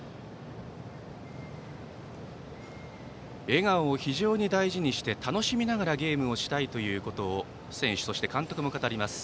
笑顔を非常に大事にして楽しみながらゲームをしたいと選手、そして監督も語ります。